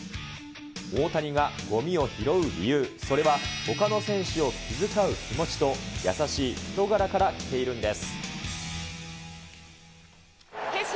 大谷がごみを拾う理由、それは、ほかの選手を気遣う気持ちと、優しい人柄からきているんです。